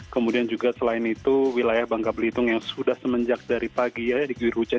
kemudian juga selain itu wilayah bangka belitung yang sudah semenjak dari pagi dikihujan